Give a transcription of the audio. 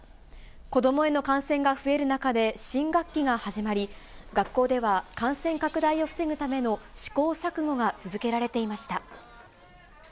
子どもへの感染が増える中で、新学期が始まり、学校では、感染拡大を防ぐための試行錯誤が続けられていました。